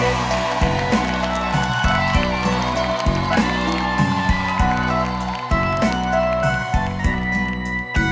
อ่าว